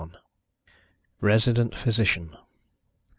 1861. RESIDENT PHYSICIAN.